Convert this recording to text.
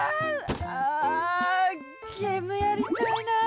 あゲームやりたいな。